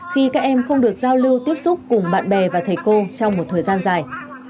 khi các em không được giao lưu tiếp xúc cùng bạn bè và thầy cô trong một thời gian dài